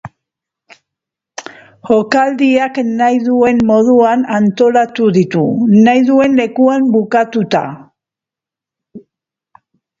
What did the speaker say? Jokaldiak nahi duen moduan antolatu ditu, nahi duen lekuan bukatuta.